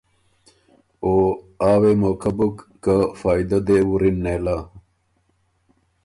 او آ وې موقع بُک که فائدۀ دې وُرِن نېله